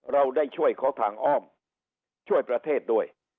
เราได้ช่วยเขาทางอ้อมช่วยประเทศด้วย